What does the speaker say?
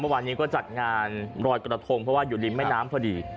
เมื่อวานนี้ก็จัดงานรอยกระทงเพราะว่าอยู่ริมแม่น้ำพอดี